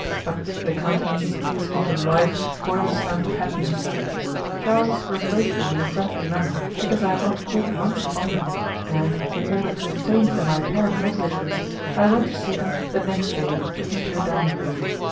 But the countenances of husband and wife bore the stamp of happiness. Charles reproached me in a friendly manner because I had not called once upon them, and, in order to atone for my apparent negligence, I went to see them the next day with M. Dandolo.